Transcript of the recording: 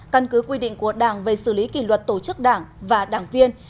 căn cứ quy định của đảng về xử lý kỷ luật tổ chức đảng và đảng viên